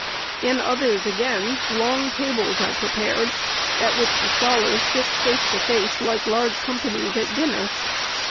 In others, again, long tables are prepared, at which the scholars sit face to face, like large companies at dinner.